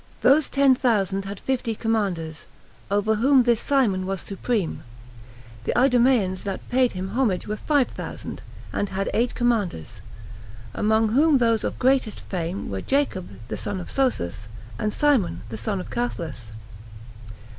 Those ten thousand had fifty commanders, over whom this Simon was supreme. The Idumeans that paid him homage were five thousand, and had eight commanders, among whom those of greatest fame were Jacob the son of Sosas, and Simon the son of Cathlas.